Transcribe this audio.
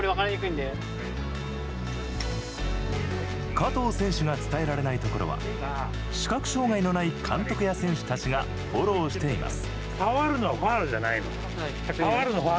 加藤選手が伝えられないところは視覚障害のない監督や選手たちがフォローしています。